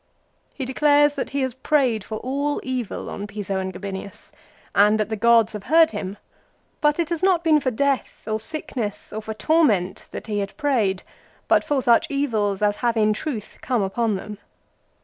He declares that he has prayed for all evil on Piso and Gabinius, and that the gods have heard him ; but it has not been for death, or sickness, or for torment, that he had prayed ; but for such evils as have in truth come upon them.